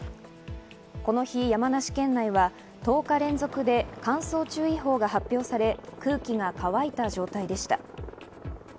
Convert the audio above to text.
この日、山梨県内は１０日連続で乾燥注意報が発表され、空気が乾いた状態でした。